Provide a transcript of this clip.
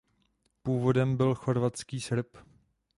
Původem byl chorvatský Srb.